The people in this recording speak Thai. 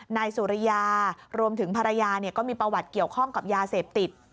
นายสุริยารวมถึงภรรยาก็มีประวัติเกี่ยวข้องกับยาเสพติด